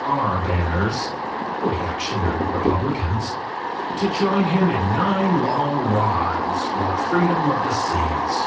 R. banners (Reactionary Republicans) to join him in nine long rahs for the freedom of the seas.